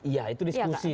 ya itu diskusi